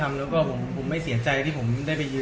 แม้มีวันที่ไม่มี